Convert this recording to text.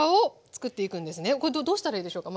これどうしたらいいでしょうか？